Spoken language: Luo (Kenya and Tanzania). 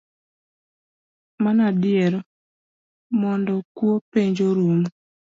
Mano adier, mondo kuo penj orum